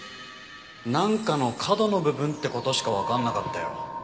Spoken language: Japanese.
なんかの角の部分って事しかわかんなかったよ。